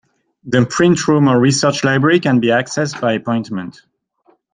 The Print Room or Research Library can be accessed by appointment.